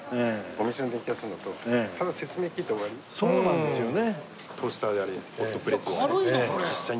そうなんですよね。